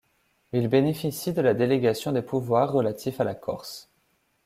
Il bénéficie de la délégation des pouvoirs relatifs à la Corse.